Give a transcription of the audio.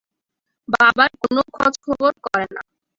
বাবার কোনো খোঁজখবর করে না।